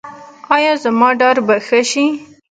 ایا زما ډار به ښه شي؟